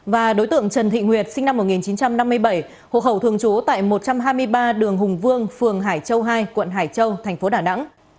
và đối tượng trần thị nguyệt sinh năm một nghìn chín trăm năm mươi bảy hộ khẩu thường trú tại một trăm hai mươi ba đường hùng vương phường hải châu hai quận hải châu thành phố đà nẵng